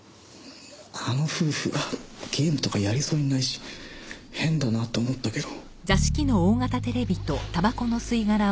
あの夫婦がゲームとかやりそうにないし変だなと思ったけど。